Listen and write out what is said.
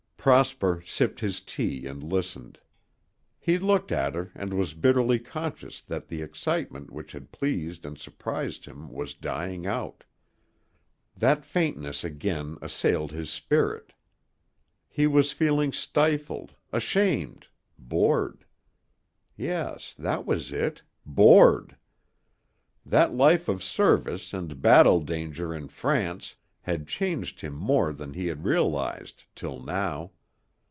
Prosper sipped his tea and listened. He looked at her and was bitterly conscious that the excitement which had pleased and surprised him was dying out. That faintness again assailed his spirit. He was feeling stifled, ashamed, bored. Yes, that was it, bored. That life of service and battle danger in France had changed him more than he had realized till now.